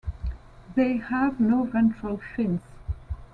They have no ventral fins.